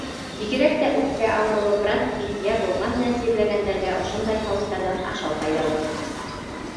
Бигерәк тә үпкә ауырыуы, бронхит йә быума менән сирләгәндәргә ошондай һауыттарҙан ашау файҙалы.